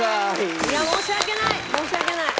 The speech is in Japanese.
いや申し訳ない。